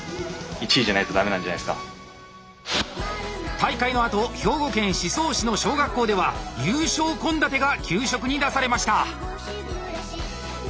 大会のあと兵庫県宍粟市の小学校では優勝献立が給食に出されました！